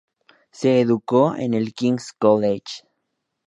Se educó en el "King's College".